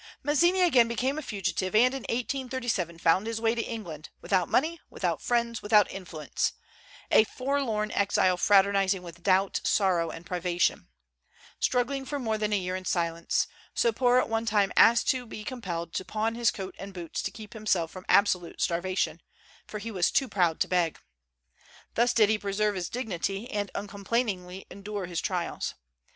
Mazzini again became a fugitive, and in 1837 found his way to England, without money, without friends, without influence, a forlorn exile fraternizing with doubt, sorrow, and privation; struggling for more than a year in silence; so poor at one time as to be compelled to pawn his coat and boots to keep himself from absolute starvation, for he was too proud to beg. Thus did he preserve his dignity, and uncomplainingly endure his trials.